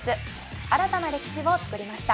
新たな歴史を作りました。